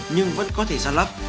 nhưng vẫn có thể ra lấp